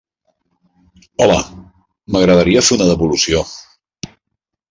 Hola, m'agradaria fer una devolució.